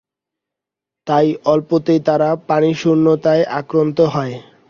তাই অল্পতেই তারা পানিশূন্যতায় আক্রান্ত হয়।